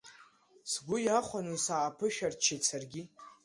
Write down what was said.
Сгәы иахәаны сааԥышәырччеит саргьы.